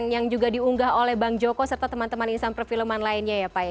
yang juga diunggah oleh bang joko serta teman teman insan perfilman lainnya ya pak ya